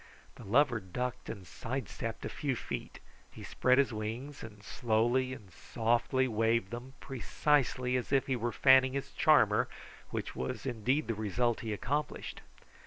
The lover ducked and side stepped a few feet. He spread his wings and slowly and softly waved them precisely as if he were fanning his charmer, which was indeed the result he accomplished.